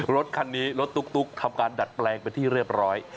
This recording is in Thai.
รถคันนี้รถตุ๊กทำการดัดแปลงเป็นที่เรียบร้อย